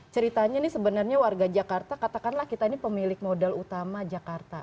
ceritanya ini sebenarnya warga jakarta katakanlah kita ini pemilik modal utama jakarta